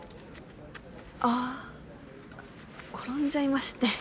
あぁ転んじゃいまして。